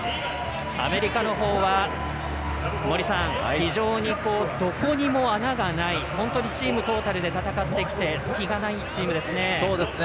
アメリカのほうは非常にどこにも穴がない本当にチームトータルで戦ってきて隙がないチームですね。